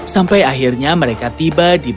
sampai akhirnya mereka tiba di bandara